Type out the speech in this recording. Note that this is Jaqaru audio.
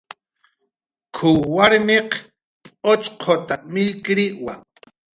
"K""uw warmiq p'uchquta millkiriwa "